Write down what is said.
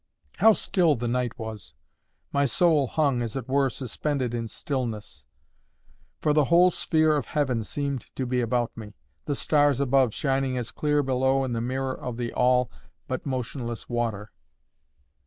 How still the night was! My soul hung, as it were, suspended in stillness; for the whole sphere of heaven seemed to be about me, the stars above shining as clear below in the mirror of the all but motionless water.